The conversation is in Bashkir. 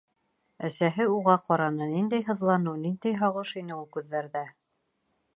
Әсәһе уға ҡараны, ниндәй һыҙланыу, ниндәй һағыш ине ул күҙҙәрҙә.